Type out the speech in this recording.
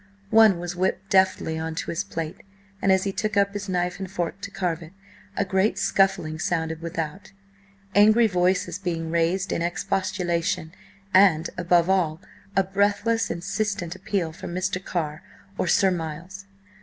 One was whipped deftly on to his plate, and as he took up his knife and fork to carve it, a great scuffling sounded without, angry voices being raised in expostulation, and, above all, a breathless, insistent appeal for Mr. Carr or Sir Miles.